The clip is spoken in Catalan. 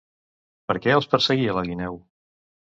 Per què els perseguia la guineu?